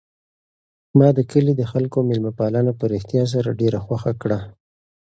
ما د کلي د خلکو مېلمه پالنه په رښتیا سره ډېره خوښه کړه.